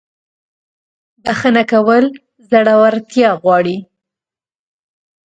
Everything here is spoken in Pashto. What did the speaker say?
• بخښنه کول زړورتیا غواړي.